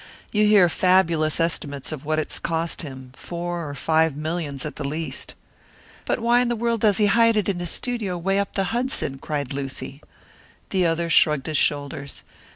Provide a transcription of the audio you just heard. You hear fabulous estimates of what it's cost him four or five millions at the least." "But why in the world does he hide it in a studio way up the Hudson?" cried Lucy. The other shrugged his shoulders.